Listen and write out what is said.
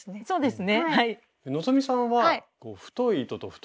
そうですね